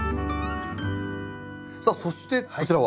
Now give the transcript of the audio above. さあそしてこちらは？